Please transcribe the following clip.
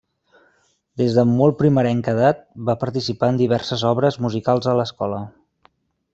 Des de molt primerenca edat, va participar en diverses obres musicals a l'escola.